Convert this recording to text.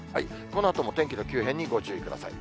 このあとも天気の急変にご注意ください。